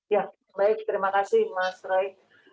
ya baik terima kasih mas roy